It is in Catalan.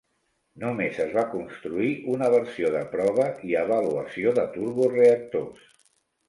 Només es va construir una versió de prova i avaluació de turboreactors.